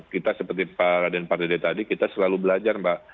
kita seperti pak raden pardede tadi kita selalu belajar mbak